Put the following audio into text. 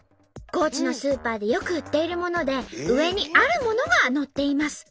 高知のスーパーでよく売っているもので上にあるものがのっています。